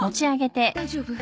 大丈夫？